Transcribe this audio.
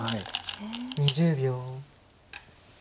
２０秒。